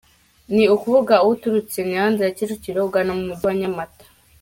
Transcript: Ni ukuvuga uturutse Nyanza ya Kicukiro ugana mu mujyi wa Nyamata.